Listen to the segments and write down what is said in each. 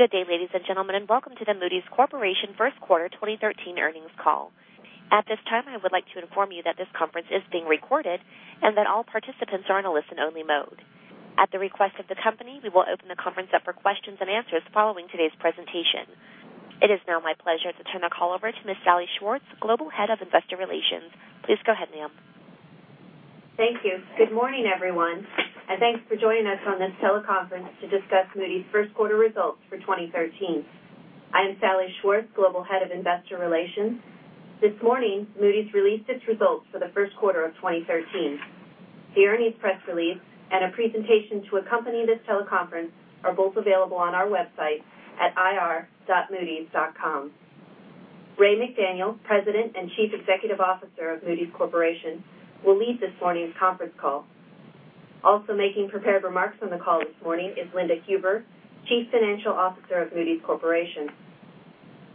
Good day, ladies and gentlemen, and welcome to the Moody's Corporation first quarter 2013 earnings call. At this time, I would like to inform you that this conference is being recorded, and that all participants are in a listen-only mode. At the request of the company, we will open the conference up for questions and answers following today's presentation. It is now my pleasure to turn the call over to Ms. Salli Schwartz, Global Head of Investor Relations. Please go ahead, ma'am. Thank you. Good morning, everyone, and thanks for joining us on this teleconference to discuss Moody's first quarter results for 2013. I am Salli Schwartz, Global Head of Investor Relations. This morning, Moody's released its results for the first quarter of 2013. The earnings press release and a presentation to accompany this teleconference are both available on our website at ir.moodys.com. Ray McDaniel, President and Chief Executive Officer of Moody's Corporation, will lead this morning's conference call. Also making prepared remarks on the call this morning is Linda Huber, Chief Financial Officer of Moody's Corporation.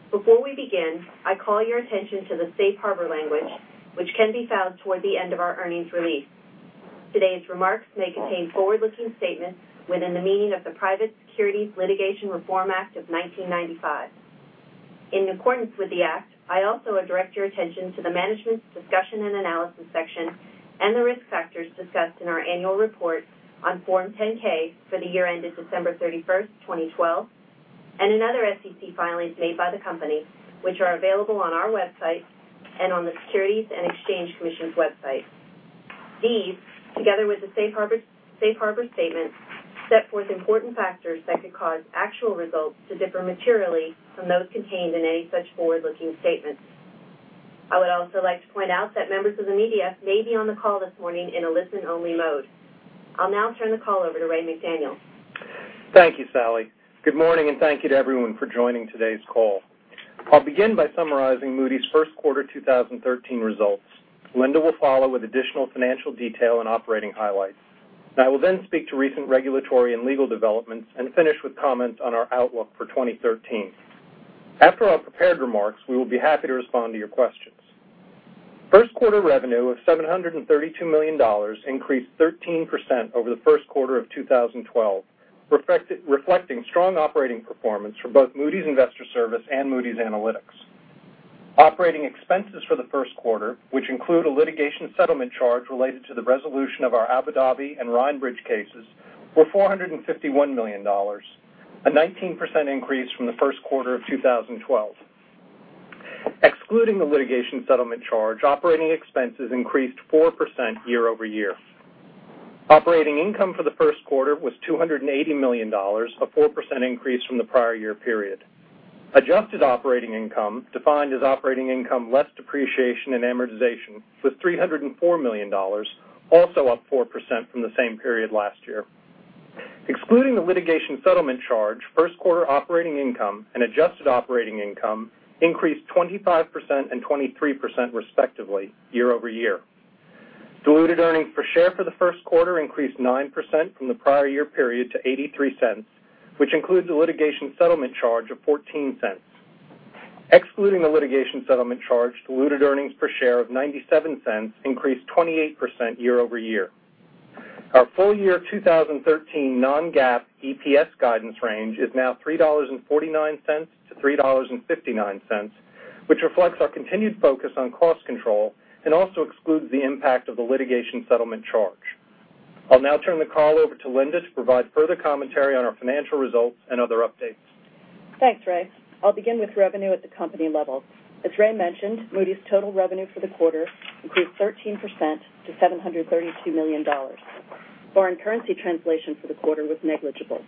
Before we begin, I call your attention to the safe harbor language, which can be found toward the end of our earnings release. Today's remarks may contain forward-looking statements within the meaning of the Private Securities Litigation Reform Act of 1995. In accordance with the act, I also would direct your attention to the Management's Discussion and Analysis section and the risk factors discussed in our annual report on Form 10-K for the year ended December 31st, 2012, and in other SEC filings made by the company, which are available on our website and on the Securities and Exchange Commission's website. These, together with the safe harbor statement, set forth important factors that could cause actual results to differ materially from those contained in any such forward-looking statements. I would also like to point out that members of the media may be on the call this morning in a listen-only mode. I'll now turn the call over to Ray McDaniel. Thank you, Salli. Good morning, and thank you to everyone for joining today's call. I'll begin by summarizing Moody's first quarter 2013 results. Linda will follow with additional financial detail and operating highlights. I will then speak to recent regulatory and legal developments and finish with comments on our outlook for 2013. After our prepared remarks, we will be happy to respond to your questions. First quarter revenue of $732 million increased 13% over the first quarter of 2012, reflecting strong operating performance from both Moody's Investors Service and Moody's Analytics. Operating expenses for the first quarter, which include a litigation settlement charge related to the resolution of our Abu Dhabi and Rhinebridge cases, were $451 million, a 19% increase from the first quarter of 2012. Excluding the litigation settlement charge, operating expenses increased 4% year-over-year. Operating income for the first quarter was $280 million, a 4% increase from the prior year period. Adjusted operating income, defined as operating income less depreciation and amortization, was $304 million, also up 4% from the same period last year. Excluding the litigation settlement charge, first quarter operating income and adjusted operating income increased 25% and 23% respectively year over year. Diluted earnings per share for the first quarter increased 9% from the prior year period to $0.83, which includes a litigation settlement charge of $0.14. Excluding the litigation settlement charge, diluted earnings per share of $0.97 increased 28% year over year. Our full year 2013 non-GAAP EPS guidance range is now $3.49-$3.59, which reflects our continued focus on cost control and also excludes the impact of the litigation settlement charge. I'll now turn the call over to Linda to provide further commentary on our financial results and other updates. Thanks, Ray. I'll begin with revenue at the company level. As Ray mentioned, Moody's total revenue for the quarter increased 13% to $732 million. Foreign currency translation for the quarter was negligible.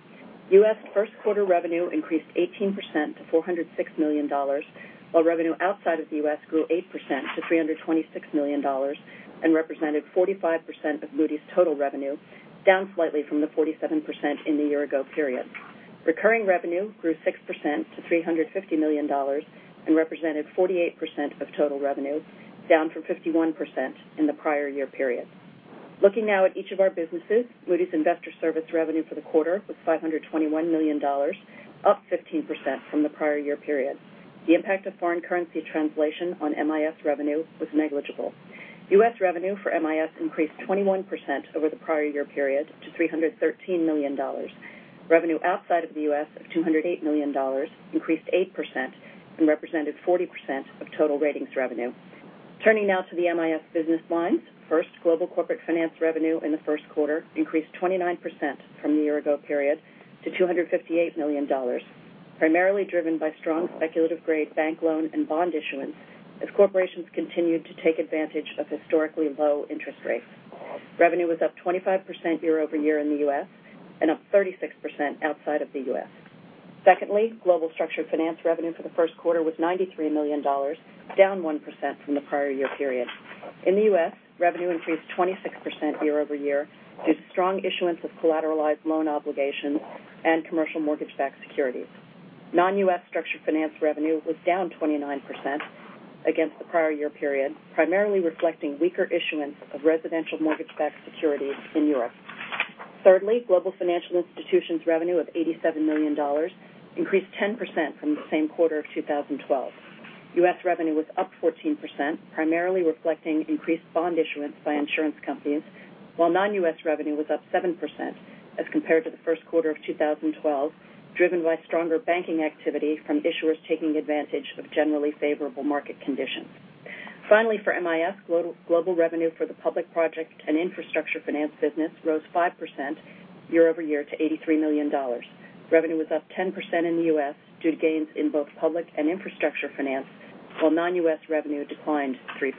U.S. first quarter revenue increased 18% to $406 million, while revenue outside of the U.S. grew 8% to $326 million and represented 45% of Moody's total revenue, down slightly from the 47% in the year ago period. Recurring revenue grew 6% to $350 million and represented 48% of total revenue, down from 51% in the prior year period. Looking now at each of our businesses, Moody's Investors Service revenue for the quarter was $521 million, up 15% from the prior year period. The impact of foreign currency translation on MIS revenue was negligible. U.S. revenue for MIS increased 21% over the prior year period to $313 million. Revenue outside of the U.S. of $208 million increased 8% and represented 40% of total ratings revenue. Turning now to the MIS business lines. First, global corporate finance revenue in the first quarter increased 29% from the year ago period to $258 million, primarily driven by strong speculative-grade bank loan and bond issuance as corporations continued to take advantage of historically low interest rates. Revenue was up 25% year over year in the U.S. and up 36% outside of the U.S. Secondly, global structured finance revenue for the first quarter was $93 million, down 1% from the prior year period. In the U.S., revenue increased 26% year over year due to strong issuance of collateralized loan obligations and commercial mortgage-backed securities. Non-U.S. structured finance revenue was down 29% against the prior year period, primarily reflecting weaker issuance of residential mortgage-backed securities in Europe. Thirdly, global financial institutions revenue of $87 million increased 10% from the same quarter of 2012. U.S. revenue was up 14%, primarily reflecting increased bond issuance by insurance companies, while non-U.S. revenue was up 7% as compared to the first quarter of 2012, driven by stronger banking activity from issuers taking advantage of generally favorable market conditions. Finally, for MIS, global revenue for the public project and infrastructure finance business rose 5% year-over-year to $83 million. Revenue was up 10% in the U.S. due to gains in both public and infrastructure finance, while non-U.S. revenue declined 3%.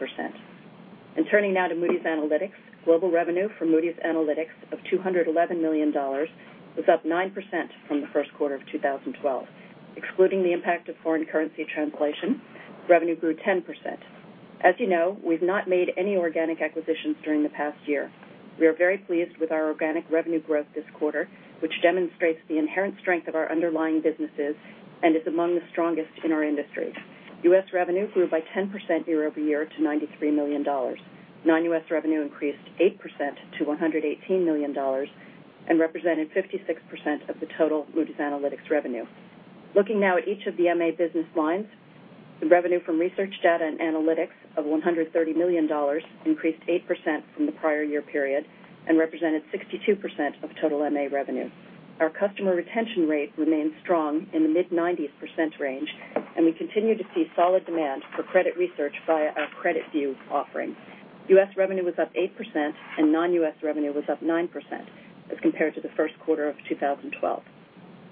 Turning now to Moody's Analytics. Global revenue for Moody's Analytics of $211 million was up 9% from the first quarter of 2012. Excluding the impact of foreign currency translation, revenue grew 10%. As you know, we've not made any organic acquisitions during the past year. We are very pleased with our organic revenue growth this quarter, which demonstrates the inherent strength of our underlying businesses and is among the strongest in our industry. U.S. revenue grew by 10% year-over-year to $93 million. Non-U.S. revenue increased 8% to $118 million and represented 56% of the total Moody's Analytics revenue. Looking now at each of the MA business lines, the revenue from research data and analytics of $130 million increased 8% from the prior year period and represented 62% of total MA revenue. Our customer retention rate remains strong in the mid-90% range, and we continue to see solid demand for credit research via our CreditView offering. U.S. revenue was up 8% and non-U.S. revenue was up 9% as compared to the first quarter of 2012.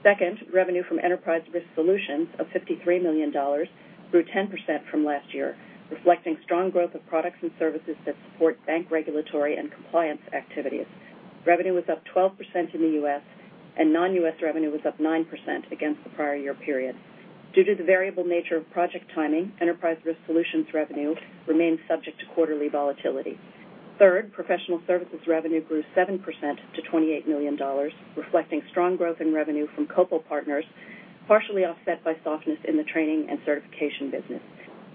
Second, revenue from Enterprise Risk Solutions of $53 million grew 10% from last year, reflecting strong growth of products and services that support bank regulatory and compliance activities. Revenue was up 12% in the U.S. and non-U.S. revenue was up 9% against the prior year period. Due to the variable nature of project timing, Enterprise Risk Solutions revenue remains subject to quarterly volatility. Third, Professional Services revenue grew 7% to $28 million, reflecting strong growth in revenue from Copal Partners, partially offset by softness in the training and certification business.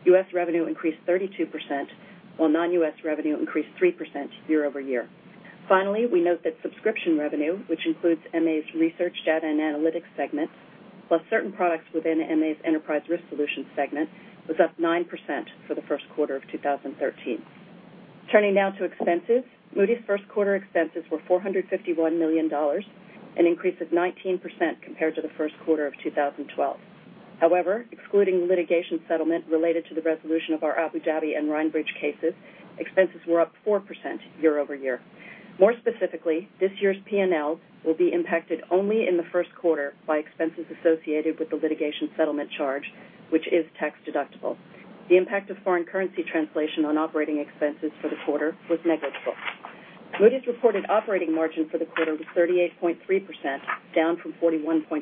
U.S. revenue increased 32%, while non-U.S. revenue increased 3% year-over-year. Finally, we note that subscription revenue, which includes MA's research data and analytics segment, plus certain products within MA's Enterprise Risk Solutions segment, was up 9% for the first quarter of 2013. Turning now to expenses. Moody's first-quarter expenses were $451 million, an increase of 19% compared to the first quarter of 2012. However, excluding litigation settlement related to the resolution of our Abu Dhabi and Rhinebridge cases, expenses were up 4% year-over-year. More specifically, this year's P&L will be impacted only in the first quarter by expenses associated with the litigation settlement charge, which is tax-deductible. The impact of foreign currency translation on operating expenses for the quarter was negligible. Moody's reported operating margin for the quarter was 38.3%, down from 41.6%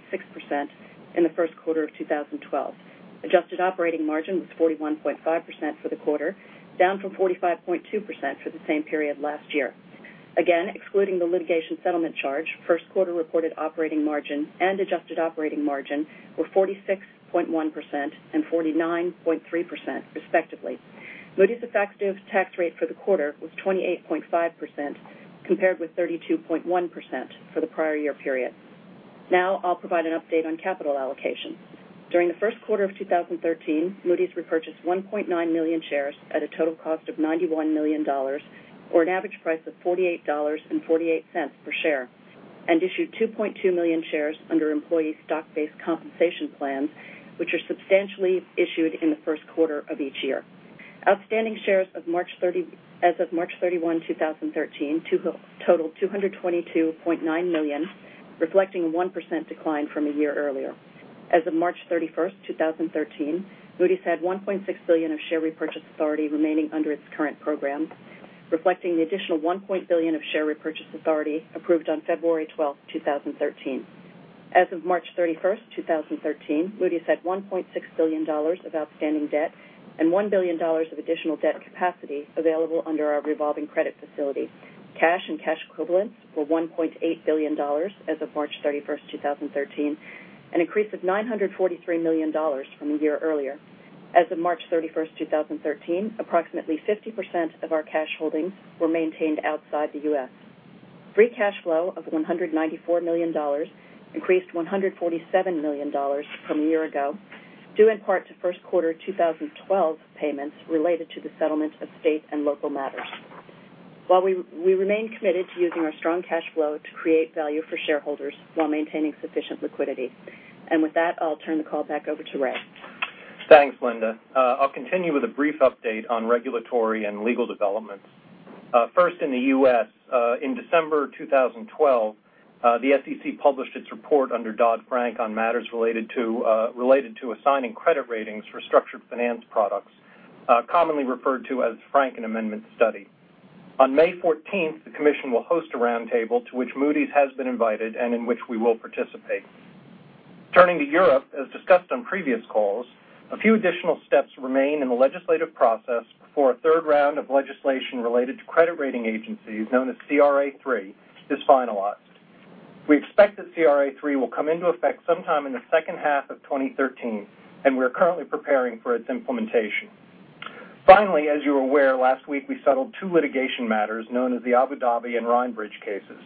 in the first quarter of 2012. Adjusted operating margin was 41.5% for the quarter, down from 45.2% for the same period last year. Again, excluding the litigation settlement charge, first quarter reported operating margin and adjusted operating margin were 46.1% and 49.3% respectively. Moody's effective tax rate for the quarter was 28.5%, compared with 32.1% for the prior year period. I'll provide an update on capital allocation. During the first quarter of 2013, Moody's repurchased 1.9 million shares at a total cost of $91 million, or an average price of $48.48 per share, and issued 2.2 million shares under employee stock-based compensation plans, which are substantially issued in the first quarter of each year. Outstanding shares as of March 31, 2013, totaled 222.9 million, reflecting a 1% decline from a year earlier. As of March 31, 2013, Moody's had $1.6 billion of share repurchase authority remaining under its current program, reflecting the additional $1 billion of share repurchase authority approved on February 12, 2013. As of March 31, 2013, Moody's had $1.6 billion of outstanding debt and $1 billion of additional debt capacity available under our revolving credit facility. Cash and cash equivalents were $1.8 billion as of March 31, 2013, an increase of $943 million from a year earlier. As of March 31, 2013, approximately 50% of our cash holdings were maintained outside the U.S. Free cash flow of $194 million increased from $147 million from a year ago, due in part to first quarter 2012 payments related to the settlement of state and local matters. We remain committed to using our strong cash flow to create value for shareholders while maintaining sufficient liquidity. With that, I'll turn the call back over to Ray. Thanks, Linda. I'll continue with a brief update on regulatory and legal developments. First in the U.S., in December 2012, the SEC published its report under Dodd-Frank on matters related to assigning credit ratings for structured finance products, commonly referred to as Franken Amendment study. On May 14th, the commission will host a roundtable to which Moody's has been invited and in which we will participate. Turning to Europe, as discussed on previous calls, a few additional steps remain in the legislative process before a third round of legislation related to credit rating agencies known as CRA3 is finalized. We expect that CRA3 will come into effect sometime in the second half of 2013, we are currently preparing for its implementation. Finally, as you're aware, last week we settled two litigation matters known as the Abu Dhabi and Rhinebridge cases.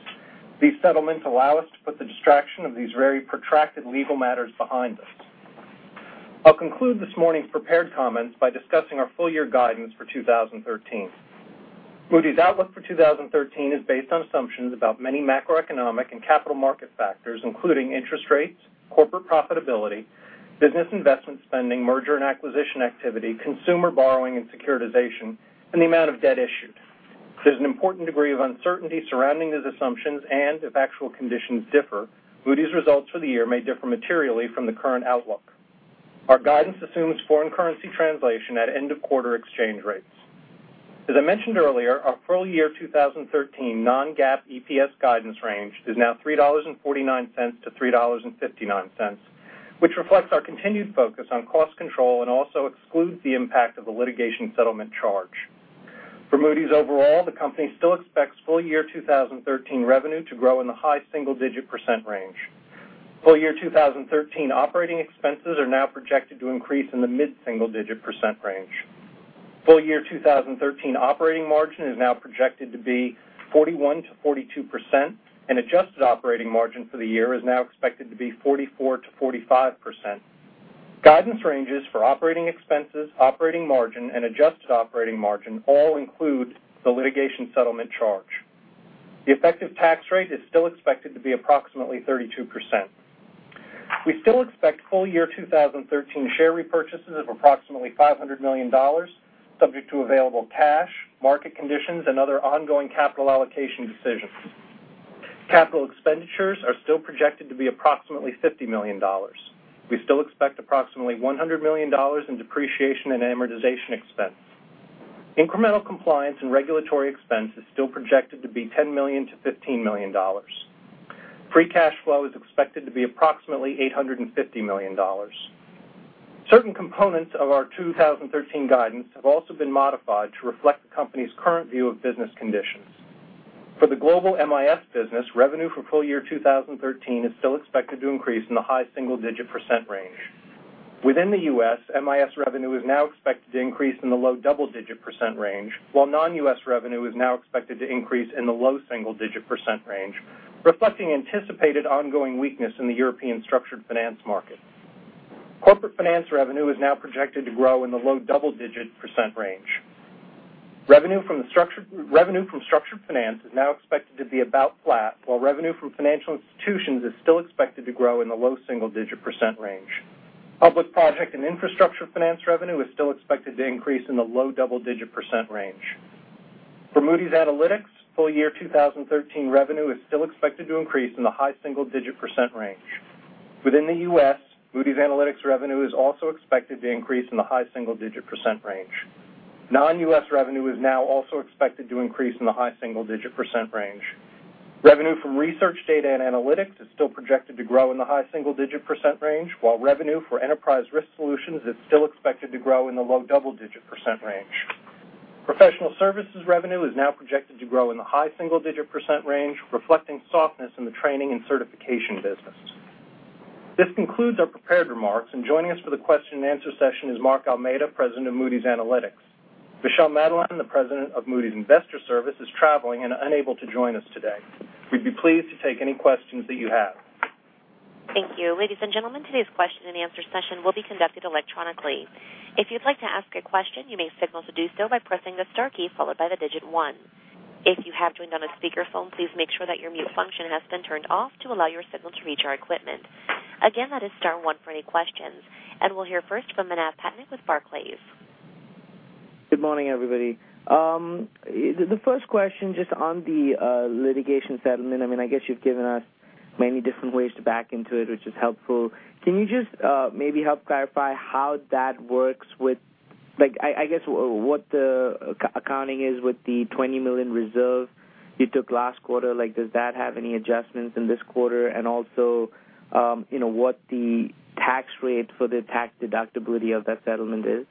These settlements allow us to put the distraction of these very protracted legal matters behind us. I'll conclude this morning's prepared comments by discussing our full year guidance for 2013. Moody's outlook for 2013 is based on assumptions about many macroeconomic and capital market factors, including interest rates, corporate profitability, business investment spending, merger and acquisition activity, consumer borrowing and securitization, and the amount of debt issued. There's an important degree of uncertainty surrounding these assumptions, if actual conditions differ, Moody's results for the year may differ materially from the current outlook. Our guidance assumes foreign currency translation at end of quarter exchange rates. As I mentioned earlier, our full year 2013 non-GAAP EPS guidance range is now $3.49 to $3.59, which reflects our continued focus on cost control and also excludes the impact of the litigation settlement charge. For Moody's overall, the company still expects full year 2013 revenue to grow in the high single-digit % range. Full year 2013 operating expenses are now projected to increase in the mid-single digit % range. Full year 2013 operating margin is now projected to be 41%-42%, and adjusted operating margin for the year is now expected to be 44%-45%. Guidance ranges for operating expenses, operating margin, and adjusted operating margin all include the litigation settlement charge. The effective tax rate is still expected to be approximately 32%. We still expect full year 2013 share repurchases of approximately $500 million, subject to available cash, market conditions, and other ongoing capital allocation decisions. Capital expenditures are still projected to be approximately $50 million. We still expect approximately $100 million in depreciation and amortization expense. Incremental compliance and regulatory expense is still projected to be $10 million-$15 million. Free cash flow is expected to be approximately $850 million. Certain components of our 2013 guidance have also been modified to reflect the company's current view of business conditions. For the global MIS business, revenue for full year 2013 is still expected to increase in the high single-digit % range. Within the U.S., MIS revenue is now expected to increase in the low double-digit % range, while non-U.S. revenue is now expected to increase in the low single-digit % range, reflecting anticipated ongoing weakness in the European structured finance market. Corporate finance revenue is now projected to grow in the low double-digit % range. Revenue from structured finance is now expected to be about flat, while revenue from financial institutions is still expected to grow in the low single-digit % range. Public project and infrastructure finance revenue is still expected to increase in the low double-digit % range. For Moody's Analytics, full year 2013 revenue is still expected to increase in the high single-digit % range. Within the U.S., Moody's Analytics revenue is also expected to increase in the high single-digit % range. Non-U.S. revenue is now also expected to increase in the high single-digit % range. Revenue from research data and analytics is still projected to grow in the high single-digit % range, while revenue for Enterprise Risk Solutions is still expected to grow in the low double-digit % range. Professional Services revenue is now projected to grow in the high single-digit % range, reflecting softness in the training and certification business. This concludes our prepared remarks, and joining us for the question and answer session is Mark Almeida, President of Moody's Analytics. Michel Madelain, the President of Moody's Investors Service, is traveling and unable to join us today. We'd be pleased to take any questions that you have. Thank you. Ladies and gentlemen, today's question and answer session will be conducted electronically. If you'd like to ask a question, you may signal to do so by pressing the star key followed by the digit 1. If you have joined on a speakerphone, please make sure that your mute function has been turned off to allow your signal to reach our equipment. Again, that is star 1 for any questions. We'll hear first from Manav Patnaik with Barclays. Good morning, everybody. The first question, just on the litigation settlement. You've given us many different ways to back into it, which is helpful. Can you just maybe help clarify how that works with what the accounting is with the $20 million reserve you took last quarter? Does that have any adjustments in this quarter? Also, what the tax rate for the tax deductibility of that settlement is?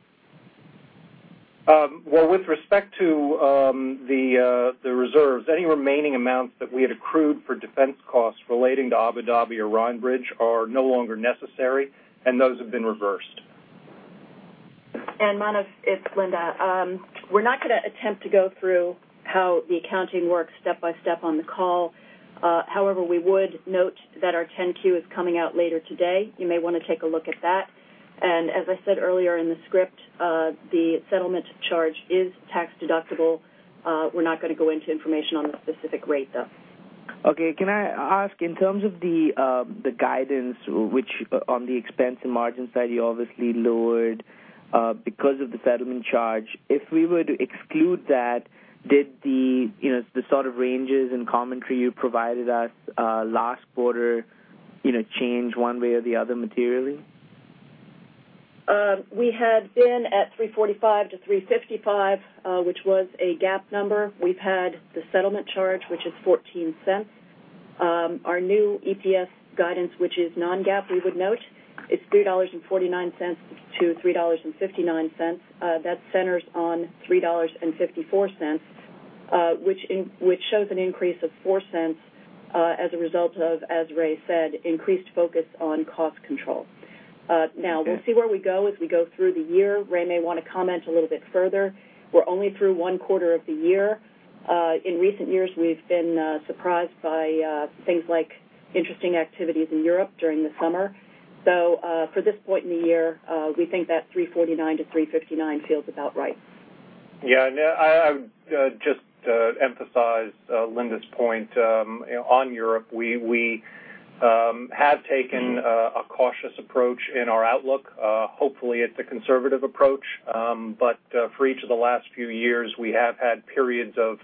With respect to the reserves, any remaining amounts that we had accrued for defense costs relating to Abu Dhabi or Rhinebridge are no longer necessary. Those have been reversed. Manav, it's Linda. We're not going to attempt to go through how the accounting works step by step on the call. However, we would note that our 10-Q is coming out later today. You may want to take a look at that. As I said earlier in the script, the settlement charge is tax deductible. We're not going to go into information on the specific rate, though. Okay. Can I ask, in terms of the guidance, which on the expense and margin side, you obviously lowered because of the settlement charge. If we were to exclude that, did the sort of ranges and commentary you provided us last quarter change one way or the other materially? We had been at $3.45 to $3.55, which was a GAAP number. We've had the settlement charge, which is $0.14. Our new EPS guidance, which is non-GAAP, we would note, is $3.49 to $3.59. That centers on $3.54. Shows an increase of $0.04 as a result of, as Ray said, increased focus on cost control. We'll see where we go as we go through the year. Ray may want to comment a little bit further. We're only through one quarter of the year. In recent years, we've been surprised by things like interesting activities in Europe during the summer. For this point in the year, we think that $3.49 to $3.59 feels about right. Yeah. I would just emphasize Linda's point on Europe. We have taken a cautious approach in our outlook. Hopefully, it's a conservative approach. For each of the last few years, we have had periods of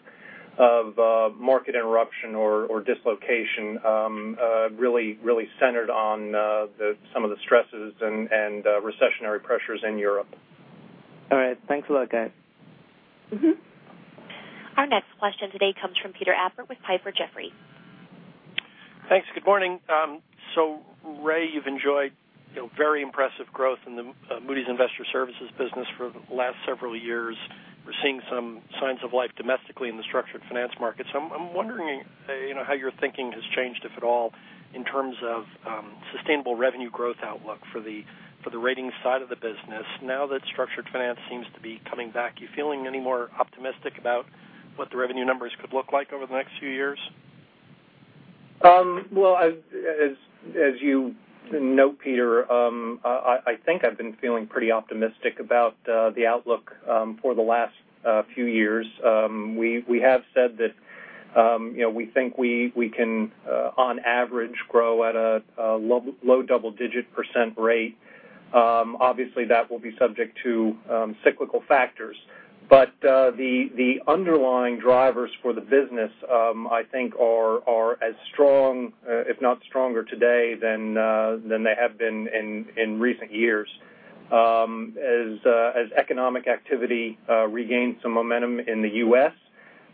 market interruption or dislocation really centered on some of the stresses and recessionary pressures in Europe. All right. Thanks a lot, guys. Our next question today comes from Peter Appert with Piper Jaffray. Thanks. Good morning. Ray, you've enjoyed very impressive growth in the Moody's Investors Service business for the last several years. We're seeing some signs of life domestically in the structured finance market. I'm wondering how your thinking has changed, if at all, in terms of sustainable revenue growth outlook for the ratings side of the business. Now that structured finance seems to be coming back, are you feeling any more optimistic about what the revenue numbers could look like over the next few years? Well, as you note, Peter, I think I've been feeling pretty optimistic about the outlook for the last few years. We have said that we think we can, on average, grow at a low double-digit % rate. Obviously, that will be subject to cyclical factors. The underlying drivers for the business, I think are as strong, if not stronger today than they have been in recent years. As economic activity regains some momentum in the U.S.,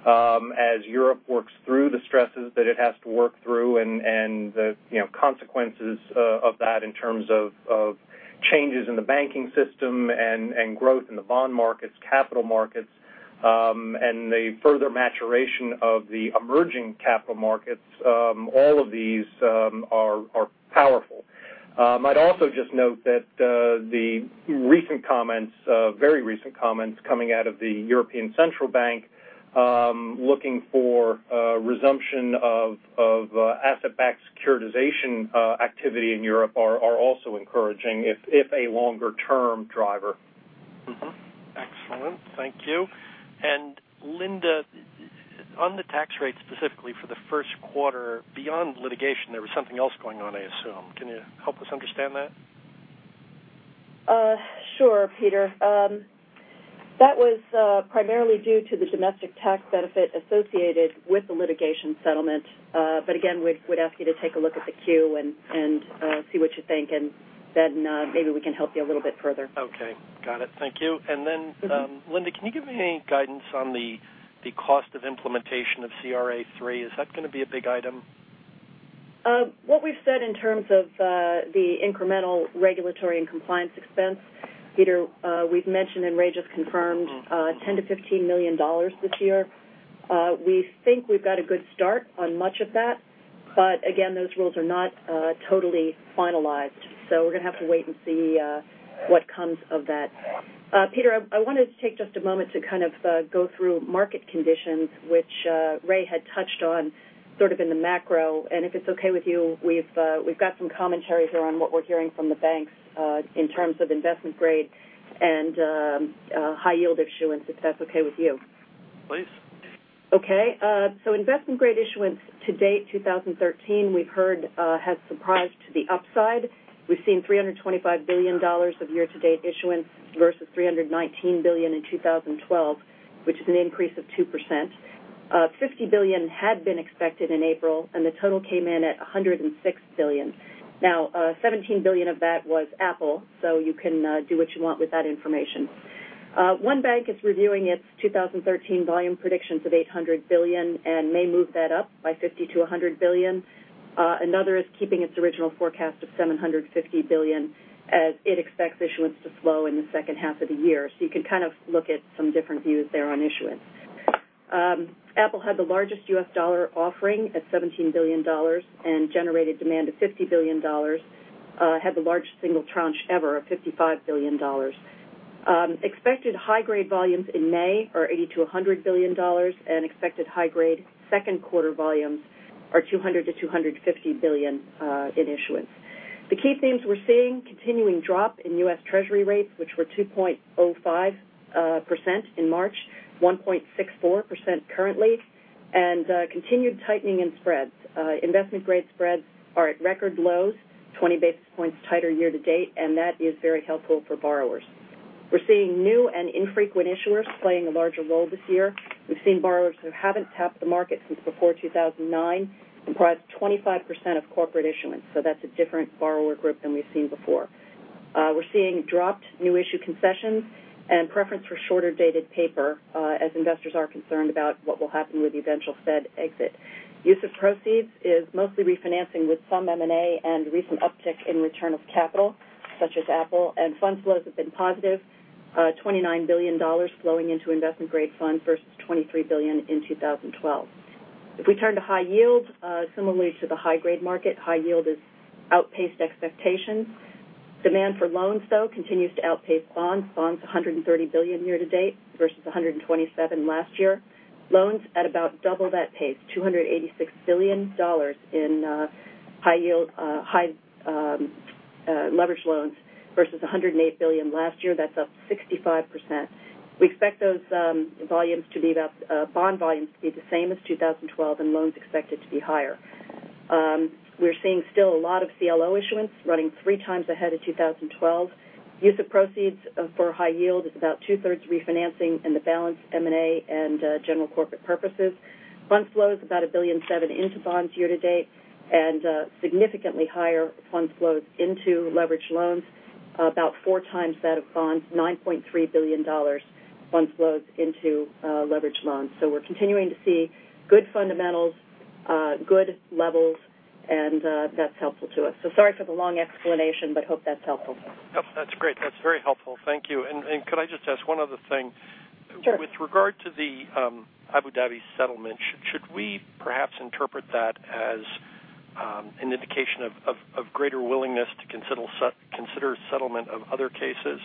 as Europe works through the stresses that it has to work through, and the consequences of that in terms of changes in the banking system and growth in the bond markets, capital markets, and the further maturation of the emerging capital markets, all of these are powerful. I'd also just note that the very recent comments coming out of the European Central Bank looking for resumption of asset-backed securitization activity in Europe are also encouraging, if a longer-term driver. Mm-hmm. Excellent. Thank you. Linda, on the tax rate specifically for the first quarter, beyond litigation, there was something else going on, I assume. Can you help us understand that? Sure, Peter. That was primarily due to the domestic tax benefit associated with the litigation settlement. Again, we'd ask you to take a look at the Q and see what you think, then maybe we can help you a little bit further. Okay. Got it. Thank you. Linda, can you give me any guidance on the cost of implementation of CRA3? Is that going to be a big item? What we've said in terms of the incremental regulatory and compliance expense, Peter, we've mentioned, and Ray just confirmed, $10 million-$15 million this year. We think we've got a good start on much of that. Again, those rules are not totally finalized. We're going to have to wait and see what comes of that. Peter, I wanted to take just a moment to kind of go through market conditions, which Ray had touched on sort of in the macro. If it's okay with you, we've got some commentaries around what we're hearing from the banks in terms of investment grade and high yield issuance, if that's okay with you. Please. Okay. Investment-grade issuance to date 2013, we've heard has surprised to the upside. We've seen $325 billion of year-to-date issuance versus $319 billion in 2012, which is an increase of 2%. $50 billion had been expected in April, and the total came in at $106 billion. $17 billion of that was Apple, you can do what you want with that information. One bank is reviewing its 2013 volume predictions of $800 billion and may move that up by $50 billion-$100 billion. Another is keeping its original forecast of $750 billion as it expects issuance to slow in the second half of the year. You can kind of look at some different views there on issuance. Apple had the largest U.S. dollar offering at $17 billion and generated demand of $50 billion, had the largest single tranche ever of $55 billion. Expected high-grade volumes in May are $80 billion-$100 billion, expected high-grade second quarter volumes are $200 billion-$250 billion in issuance. The key themes we're seeing, continuing drop in U.S. Treasury rates, which were 2.05% in March, 1.64% currently, continued tightening in spreads. Investment grade spreads are at record lows, 20 basis points tighter year-to-date, that is very helpful for borrowers. We're seeing new and infrequent issuers playing a larger role this year. We've seen borrowers who haven't tapped the market since before 2009 comprise 25% of corporate issuance. That's a different borrower group than we've seen before. We're seeing dropped new issue concessions and preference for shorter-dated paper as investors are concerned about what will happen with the eventual Fed exit. Use of proceeds is mostly refinancing with some M&A and recent uptick in return of capital, such as Apple, fund flows have been positive, $29 billion flowing into investment-grade funds versus $23 billion in 2012. If we turn to high yield, similarly to the high-grade market, high yield has outpaced expectations. Demand for loans, though, continues to outpace bonds. Bonds $130 billion year-to-date versus $127 billion last year. Loans at about double that pace, $286 billion in high leverage loans versus $108 billion last year. That's up 165%. We expect those bond volumes to be the same as 2012, loans expected to be higher. We're seeing still a lot of CLO issuance, running three times ahead of 2012. Use of proceeds for high yield is about two-thirds refinancing, the balance, M&A and general corporate purposes. Fund flow is about $1.7 billion into bonds year to date, and significantly higher fund flows into leverage loans, about four times that of bonds, $9.3 billion fund flows into leverage loans. We're continuing to see good fundamentals, good levels, and that's helpful to us. Sorry for the long explanation, but hope that's helpful. No, that's great. That's very helpful. Thank you. Could I just ask one other thing? Sure. With regard to the Abu Dhabi settlement, should we perhaps interpret that as an indication of greater willingness to consider settlement of other cases?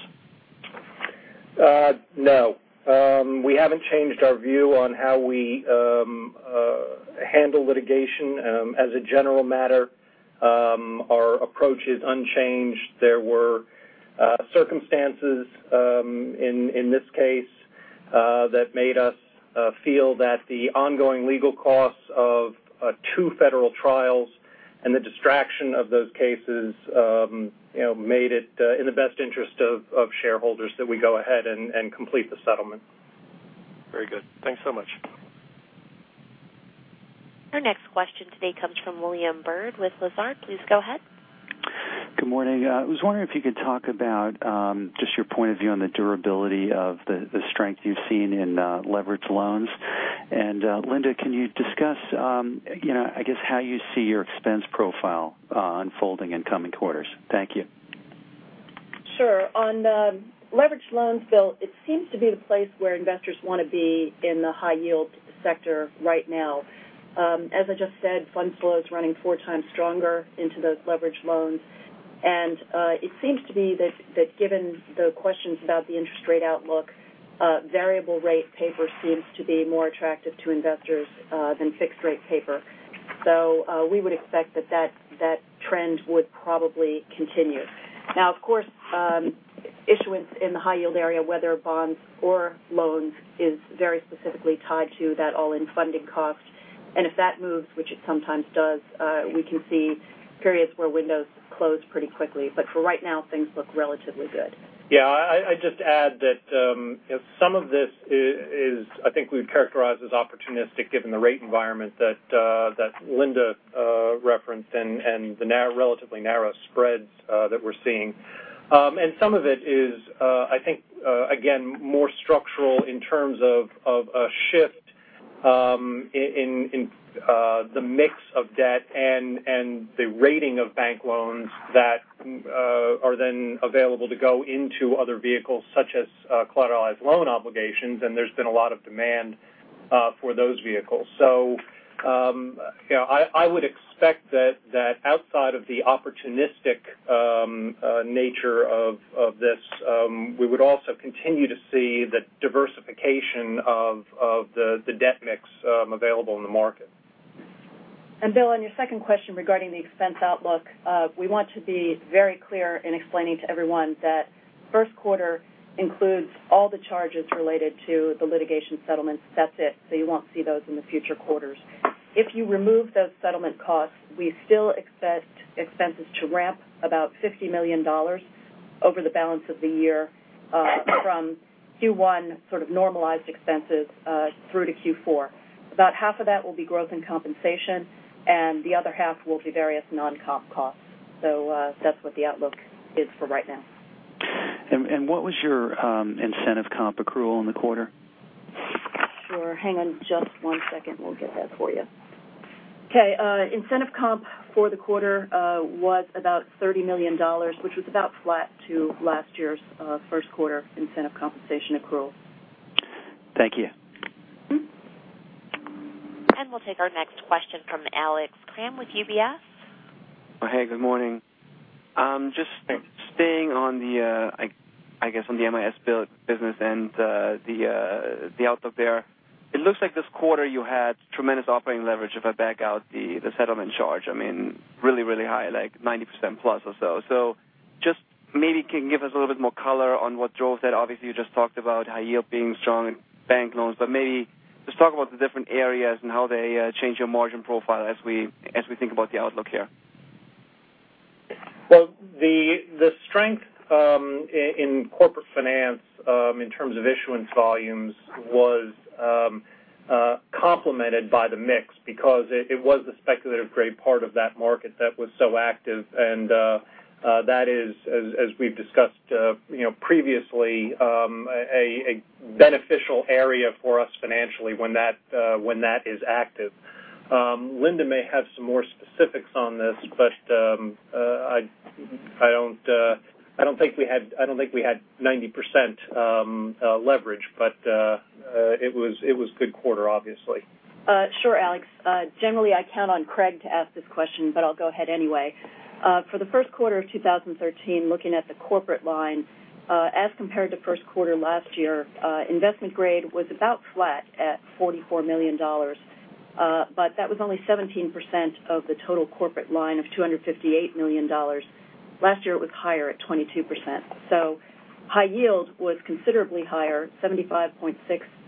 No. We haven't changed our view on how we handle litigation as a general matter. Our approach is unchanged. There were circumstances in this case that made us feel that the ongoing legal costs of two federal trials and the distraction of those cases made it in the best interest of shareholders that we go ahead and complete the settlement. Very good. Thanks so much. Our next question today comes from William Bird with Lazard. Please go ahead. Good morning. I was wondering if you could talk about just your point of view on the durability of the strength you've seen in leverage loans. Linda, can you discuss how you see your expense profile unfolding in coming quarters? Thank you. Sure. On leverage loans, Bill, it seems to be the place where investors want to be in the high yield sector right now. As I just said, fund flow is running four times stronger into those leverage loans. It seems to be that given the questions about the interest rate outlook, variable rate paper seems to be more attractive to investors than fixed rate paper. We would expect that trend would probably continue. Of course, issuance in the high yield area, whether bonds or loans, is very specifically tied to that all-in funding cost. If that moves, which it sometimes does, we can see periods where windows close pretty quickly. For right now, things look relatively good. I'd just add that some of this is, I think we would characterize as opportunistic given the rate environment that Linda referenced and the relatively narrow spreads that we're seeing. Some of it is, I think, again, more structural in terms of a shift in the mix of debt and the rating of bank loans that are then available to go into other vehicles such as collateralized loan obligations, and there's been a lot of demand for those vehicles. I would expect that outside of the opportunistic nature of this, we would also continue to see the diversification of the debt mix available in the market. Bill, on your second question regarding the expense outlook, we want to be very clear in explaining to everyone that first quarter includes all the charges related to the litigation settlements. That's it. You won't see those in the future quarters. If you remove those settlement costs, we still expect expenses to ramp about $50 million over the balance of the year from Q1 sort of normalized expenses through to Q4. About half of that will be growth in compensation, and the other half will be various non-comp costs. That's what the outlook is for right now. What was your incentive comp accrual in the quarter? Sure. Hang on just one second. We'll get that for you. Okay. Incentive comp for the quarter was about $30 million, which was about flat to last year's first quarter incentive compensation accrual. Thank you. We'll take our next question from Alex Kramm with UBS. Hey, good morning. Just staying on the, I guess, on the MIS business and the outlook there. It looks like this quarter you had tremendous operating leverage if I back out the settlement charge. Really high, like 90% plus or so. Just maybe can you give us a little bit more color on what drove that? Obviously, you just talked about high yield being strong in bank loans. Maybe just talk about the different areas and how they change your margin profile as we think about the outlook here. Well, the strength in corporate finance in terms of issuance volumes was complemented by the mix because it was the speculative-grade part of that market that was so active. That is, as we've discussed previously, a beneficial area for us financially when that is active. Linda may have some more specifics on this, but I don't think we had 90% leverage. It was good quarter, obviously. Sure, Alex. Generally, I count on Craig to ask this question, but I'll go ahead anyway. For the first quarter of 2013, looking at the corporate line, as compared to first quarter last year, investment grade was about flat at $44 million. That was only 17% of the total corporate line of $258 million. Last year, it was higher at 22%. High yield was considerably higher, $75.6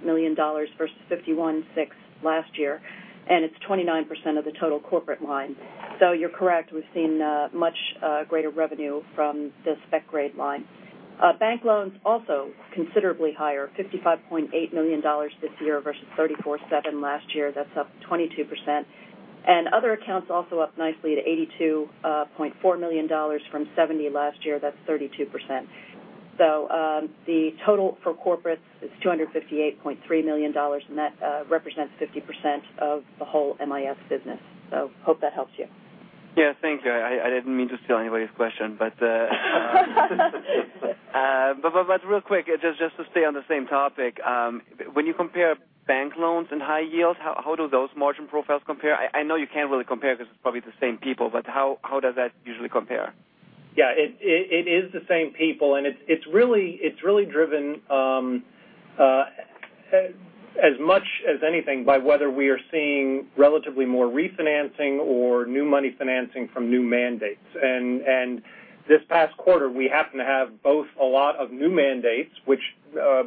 million versus $51.6 million last year, and it's 29% of the total corporate line. You're correct. We've seen much greater revenue from the spec grade line. Bank loans also considerably higher, $55.8 million this year versus $34.7 million last year. That's up 22%. Other accounts also up nicely to $82.4 million from $70 million last year. That's 32%. The total for corporates is $258.3 million, and that represents 50% of the whole MIS business. Hope that helps you. Yeah, thanks. I didn't mean to steal anybody's question. But real quick, just to stay on the same topic. When you compare bank loans and high yields, how do those margin profiles compare? I know you can't really compare because it's probably the same people, but how does that usually compare? Yeah, it is the same people, and it's really driven as much as anything by whether we are seeing relatively more refinancing or new money financing from new mandates. This past quarter, we happen to have both a lot of new mandates, which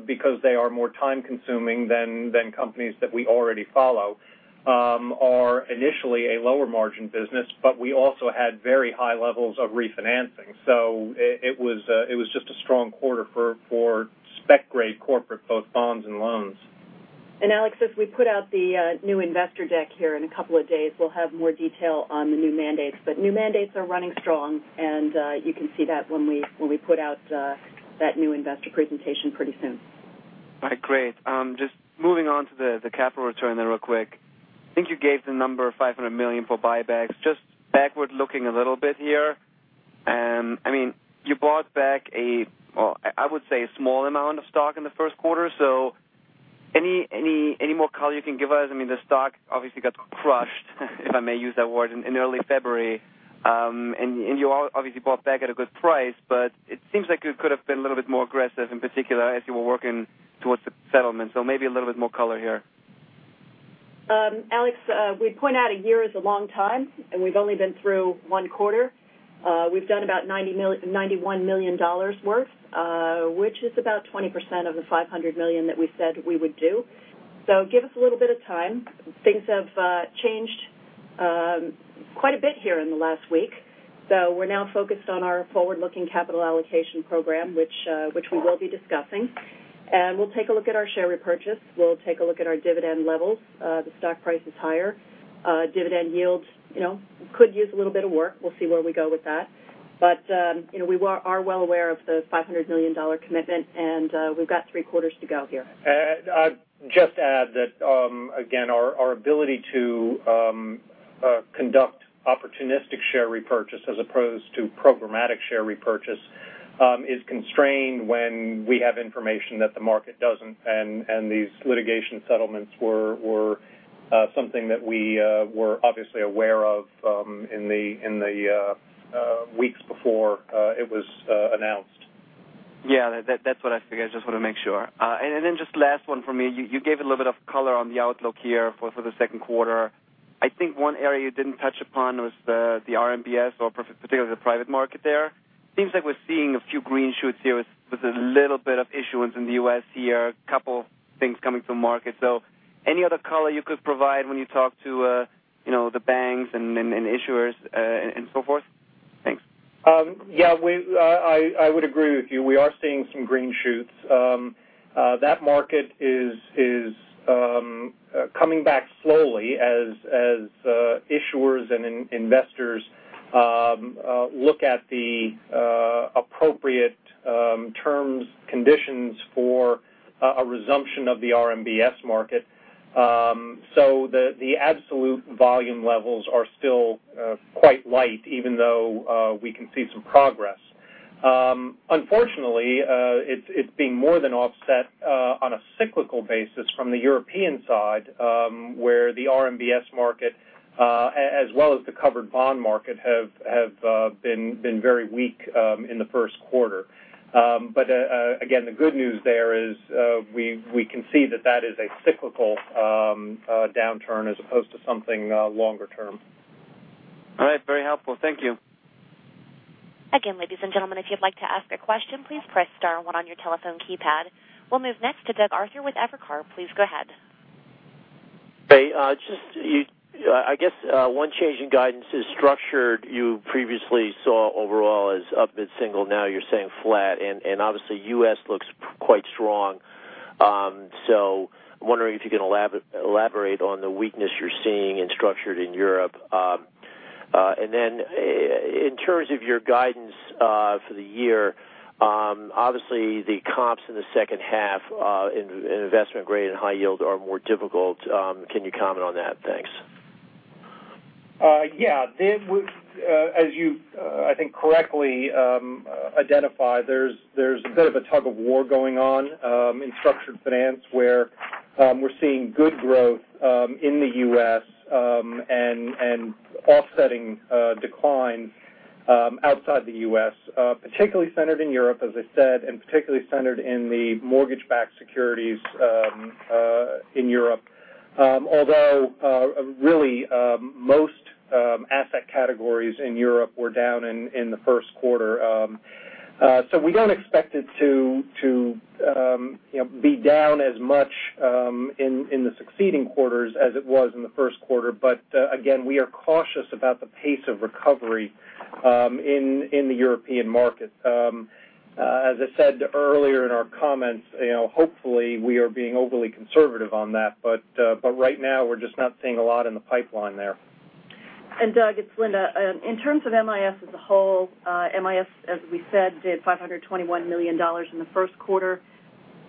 because they are more time-consuming than companies that we already follow, are initially a lower margin business. We also had very high levels of refinancing. It was just a strong quarter for spec grade corporate, both bonds and loans. Alex, as we put out the new investor deck here in a couple of days, we'll have more detail on the new mandates. New mandates are running strong, and you can see that when we put out that new investor presentation pretty soon. All right. Great. Moving on to the capital return then real quick. I think you gave the number $500 million for buybacks. Backward-looking a little bit here. You bought back a small amount of stock in the first quarter. Any more color you can give us? The stock obviously got crushed, if I may use that word, in early February. You obviously bought back at a good price, but it seems like you could have been a little bit more aggressive, in particular as you were working towards the settlement. Maybe a little bit more color here. Alex, we'd point out a year is a long time, and we've only been through one quarter. We've done about $91 million worth, which is about 20% of the $500 million that we said we would do. Give us a little bit of time. Things have changed quite a bit here in the last week. We're now focused on our forward-looking capital allocation program, which we will be discussing. We'll take a look at our share repurchase. We'll take a look at our dividend levels. The stock price is higher. Dividend yield could use a little bit of work. We'll see where we go with that. We are well aware of the $500 million commitment, and we've got three quarters to go here. I'd just add that, again, our ability to conduct opportunistic share repurchase as opposed to programmatic share repurchase is constrained when we have information that the market doesn't, and these litigation settlements were something that we were obviously aware of in the weeks before it was announced. Yeah. That's what I figured. I just want to make sure. Just last one for me. You gave a little bit of color on the outlook here for the second quarter. I think one area you didn't touch upon was the RMBS or particularly the private market there. Seems like we're seeing a few green shoots here with a little bit of issuance in the U.S. here, a couple things coming to market. Any other color you could provide when you talk to the banks and issuers and so forth? Thanks. Yeah. I would agree with you. We are seeing some green shoots. That market is coming back slowly as issuers and investors look at the appropriate terms, conditions for a resumption of the RMBS market. The absolute volume levels are still quite light, even though we can see some progress. Unfortunately, it's being more than offset on a cyclical basis from the European side, where the RMBS market as well as the covered bond market have been very weak in the first quarter. Again, the good news there is we can see that that is a cyclical downturn as opposed to something longer term. All right. Very helpful. Thank you. Again, ladies and gentlemen, if you'd like to ask a question, please press star one on your telephone keypad. We'll move next to Douglas Arthur with Evercore. Please go ahead. Hey. I guess one change in guidance is structured. You previously saw overall as up mid-single. Now you're saying flat. Obviously, U.S. looks quite strong. I'm wondering if you can elaborate on the weakness you're seeing in structured in Europe. Then in terms of your guidance for the year, obviously the comps in the second half in investment grade and high yield are more difficult. Can you comment on that? Thanks. Yeah. As you, I think, correctly identified, there's a bit of a tug of war going on in structured finance where we're seeing good growth in the U.S. and offsetting decline outside the U.S. particularly centered in Europe, as I said, and particularly centered in the mortgage-backed securities in Europe. Although, really, most asset categories in Europe were down in the first quarter. We don't expect it to be down as much in the succeeding quarters as it was in the first quarter. Again, we are cautious about the pace of recovery in the European market. As I said earlier in our comments, hopefully we are being overly conservative on that. Right now we're just not seeing a lot in the pipeline there. Doug, it's Linda. In terms of MIS as a whole, MIS, as we said, did $521 million in the first quarter.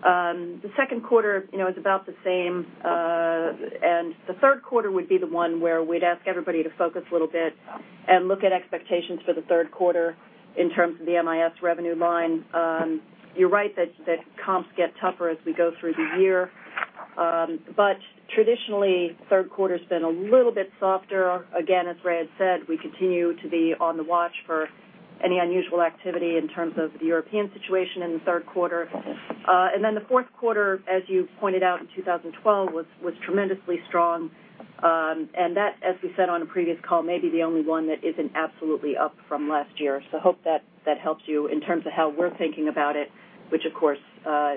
The second quarter is about the same. The third quarter would be the one where we'd ask everybody to focus a little bit and look at expectations for the third quarter in terms of the MIS revenue line. You're right that comps get tougher as we go through the year. Traditionally, third quarter's been a little bit softer. Again, as Ray had said, we continue to be on the watch for any unusual activity in terms of the European situation in the third quarter. Then the fourth quarter, as you pointed out in 2012, was tremendously strong. That, as we said on a previous call, may be the only one that isn't absolutely up from last year. Hope that helps you in terms of how we're thinking about it, which of course,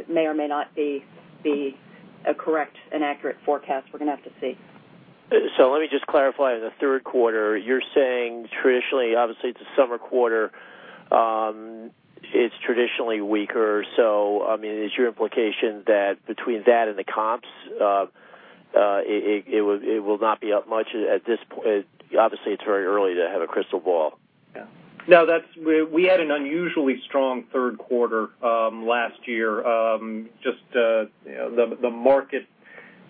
may or may not be a correct and accurate forecast. We're going to have to see. Let me just clarify. The third quarter, you're saying traditionally, obviously, it's a summer quarter. It's traditionally weaker. Is your implication that between that and the comps, it will not be up much at this point? Obviously, it's very early to have a crystal ball. No. We had an unusually strong third quarter last year. Just the market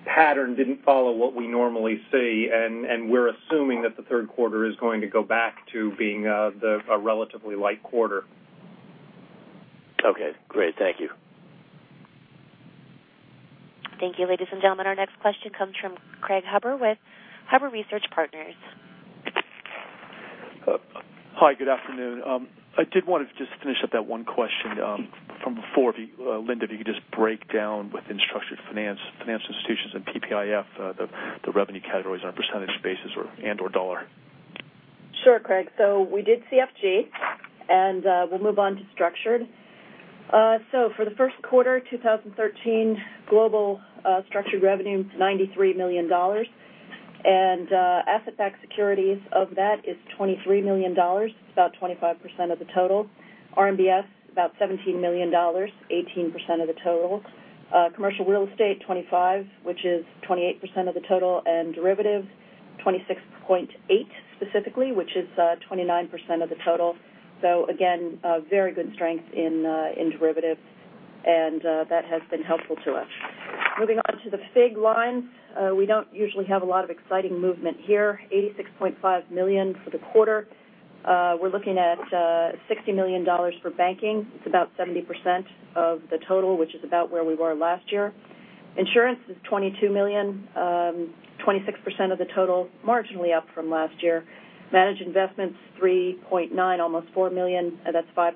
pattern didn't follow what we normally see, and we're assuming that the third quarter is going to go back to being a relatively light quarter. Okay, great. Thank you. Thank you, ladies and gentlemen. Our next question comes from Craig Huber with Huber Research Partners. Hi, good afternoon. I did want to just finish up that one question from before. Linda, if you could just break down within structured finance, financial institutions, and PPIF the revenue categories on a percentage basis and/or dollar. Sure, Craig. We did CFG, and we'll move on to structured. For the first quarter 2013, global structured revenue was $93 million. Asset-backed securities of that is $23 million. It's about 25% of the total. RMBS, about $17 million, 18% of the total. Commercial real estate, 25, which is 28% of the total. Derivative, 26.8 specifically, which is 29% of the total. Again, very good strength in derivative, and that has been helpful to us. Moving on to the FIG line. We don't usually have a lot of exciting movement here. $86.5 million for the quarter. We're looking at $60 million for banking. It's about 70% of the total, which is about where we were last year. Insurance is $22 million, 26% of the total, marginally up from last year. Managed investments, $3.9, almost $4 million. That's 5%.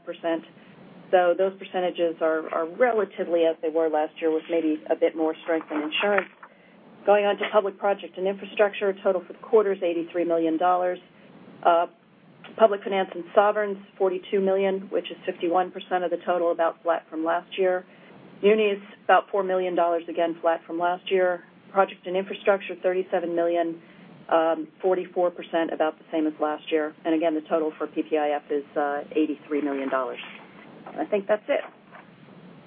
Those percentages are relatively as they were last year with maybe a bit more strength in insurance. Going on to public project and infrastructure. Total for the quarter is $83 million. Public finance and sovereigns, $42 million, which is 51% of the total, about flat from last year. Munis, about $4 million, again, flat from last year. Project and infrastructure, $37 million, 44%, about the same as last year. Again, the total for PPIF is $83 million. I think that's it.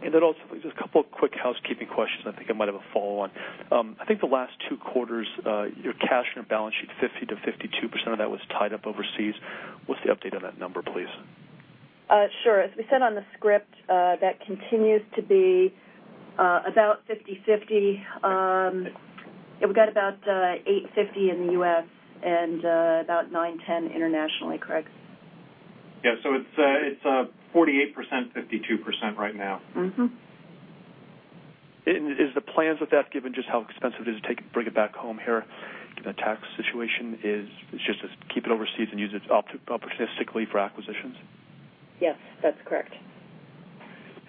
Just a couple of quick housekeeping questions. I think I might have a follow on. I think the last two quarters, your cash on your balance sheet, 50%-52% of that was tied up overseas. What's the update on that number, please? Sure. As we said on the script, that continues to be about 50/50. We've got about $850 in the U.S. and about $910 internationally, Craig. Yeah. It's 48%/52% right now. Is the plans with that, given just how expensive it is to bring it back home here, given the tax situation, is just to keep it overseas and use it opportunistically for acquisitions? Yes, that's correct.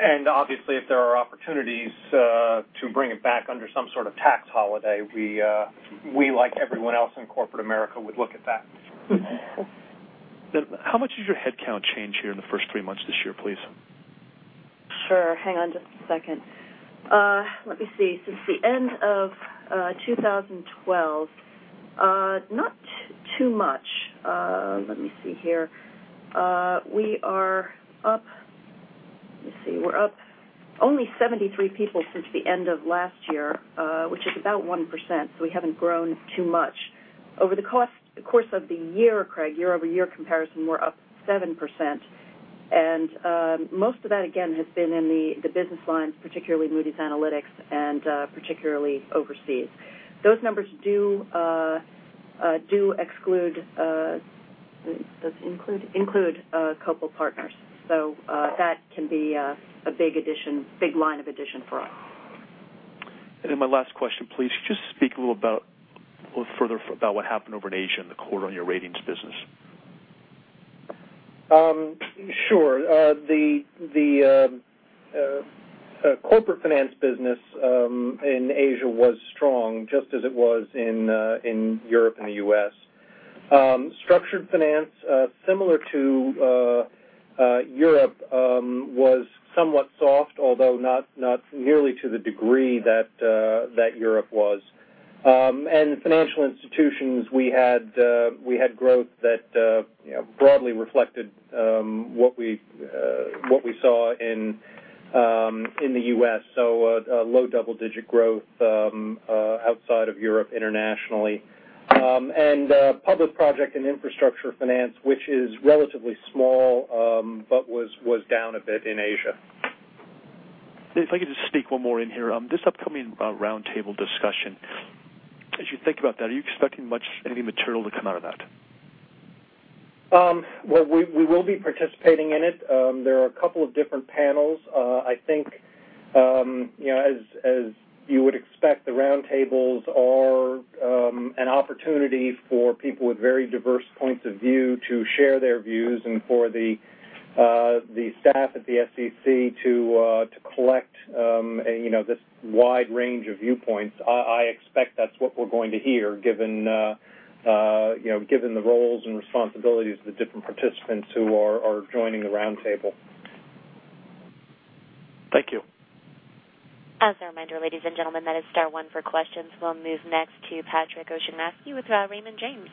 Obviously, if there are opportunities to bring it back under some sort of tax holiday, we, like everyone else in corporate America, would look at that. How much has your headcount changed here in the first three months this year, please? Sure. Hang on just a second. Let me see. Since the end of 2012, not too Too much. Let me see here. We are up only 73 people since the end of last year, which is about 1%, so we haven't grown too much. Over the course of the year, Craig, year-over-year comparison, we're up 7%. Most of that, again, has been in the business lines, particularly Moody's Analytics and particularly overseas. Those numbers do include Copal Partners. That can be a big line of addition for us. My last question, please. Just speak a little further about what happened over in Asia in the quarter on your ratings business. Sure. The corporate finance business in Asia was strong, just as it was in Europe and the U.S. Structured finance, similar to Europe, was somewhat soft, although not nearly to the degree that Europe was. Financial institutions, we had growth that broadly reflected what we saw in the U.S. A low double-digit growth outside of Europe internationally. Public project and infrastructure finance, which is relatively small, but was down a bit in Asia. If I could just sneak one more in here. This upcoming roundtable discussion, as you think about that, are you expecting any material to come out of that? Well, we will be participating in it. There are a couple of different panels. I think as you would expect, the roundtables are an opportunity for people with very diverse points of view to share their views and for the staff at the SEC to collect this wide range of viewpoints. I expect that's what we're going to hear, given the roles and responsibilities of the different participants who are joining the roundtable. Thank you. As a reminder, ladies and gentlemen, that is star one for questions. We'll move next to Patrick O'Shaughnessy with Raymond James.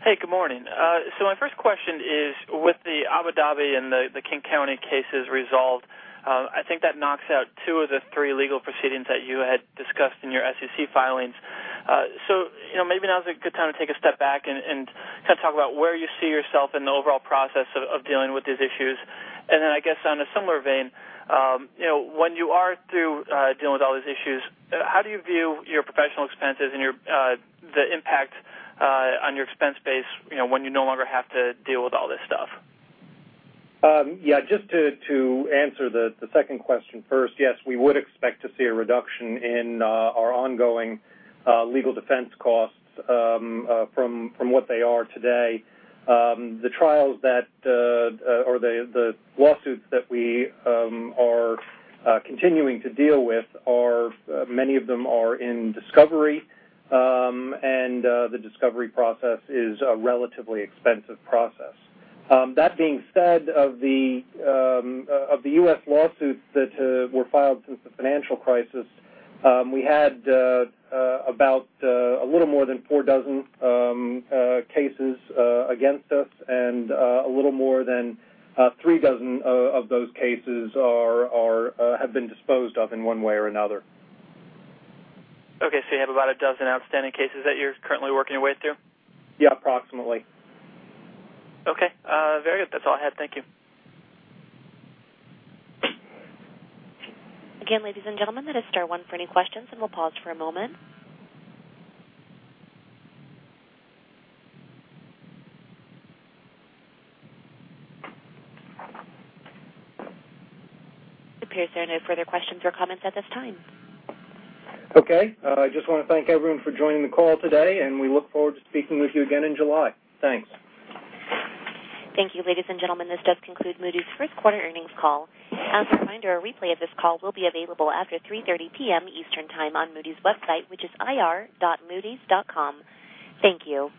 Hey, good morning. My first question is, with the Abu Dhabi and the King County cases resolved, I think that knocks out two of the three legal proceedings that you had discussed in your SEC filings. Maybe now is a good time to take a step back and kind of talk about where you see yourself in the overall process of dealing with these issues. I guess on a similar vein, when you are through dealing with all these issues, how do you view your professional expenses and the impact on your expense base when you no longer have to deal with all this stuff? Yeah, just to answer the second question first. Yes, we would expect to see a reduction in our ongoing legal defense costs from what they are today. The lawsuits that we are continuing to deal with, many of them are in discovery, and the discovery process is a relatively expensive process. That being said, of the U.S. lawsuits that were filed since the financial crisis, we had about a little more than four dozen cases against us, and a little more than three dozen of those cases have been disposed of in one way or another. Okay. You have about a dozen outstanding cases that you're currently working your way through? Yeah, approximately. Okay. Very good. That's all I had. Thank you. Again, ladies and gentlemen, that is star one for any questions, and we'll pause for a moment. It appears there are no further questions or comments at this time. Okay. I just want to thank everyone for joining the call today, and we look forward to speaking with you again in July. Thanks. Thank you, ladies and gentlemen. This does conclude Moody's first quarter earnings call. As a reminder, a replay of this call will be available after 3:30 P.M. Eastern Time on Moody's website, which is ir.moodys.com. Thank you.